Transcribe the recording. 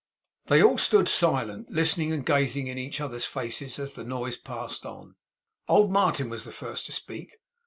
They all stood silent: listening, and gazing in each other's faces, as the noise passed on. Old Martin was the first to speak.